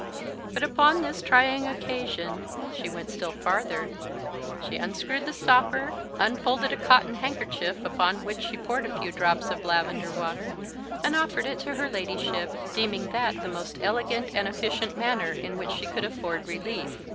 But upon this trying occasion she went still farther. She unscrewed the stopper, unfolded a cotton handkerchief, upon which she poured a few drops of lavender water, and offered it to her ladyship, deeming that the most elegant and efficient manner in which she could afford relief.